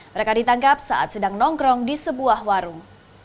mereka ditangkap saat sedang nongkrong di sebuah warung